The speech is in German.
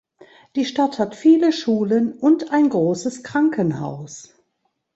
Die Stadt hat viele Schulen und ein großes Krankenhaus.